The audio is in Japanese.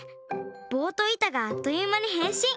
ぼうと板があっというまにへんしん。